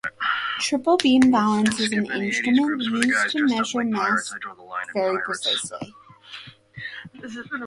Triple beam balance is an instrument used to measure mass very precisely.